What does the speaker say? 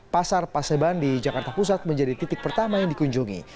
pasar paseban di jakarta pusat menjadi titik pertama yang dikunjungi